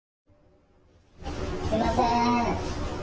すみません。